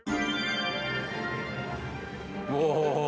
お。